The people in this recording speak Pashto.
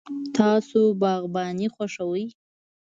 تاسو باغباني خوښوئ؟